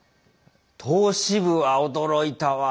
投資部は驚いたわ。